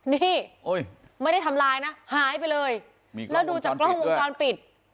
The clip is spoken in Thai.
นี่ไม่ได้ทำลายนะหายไปเลยแล้วดูจากกล้องวงจรปิด